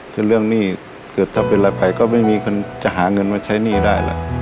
ถ้าเรื่องนี่ถ้าเกิดเกิดเรื่อยใหม่ไปก็ไม่มีคนจะหาเงินมาใช้นี่ได้ละ